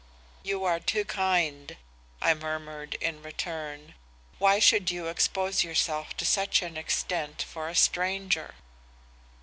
"'You are too kind,' I murmured in return. 'Why should you expose yourself to such an extent for a stranger?